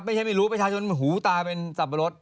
ไม่รู้ประชาชนหูตาเป็นสับปะรด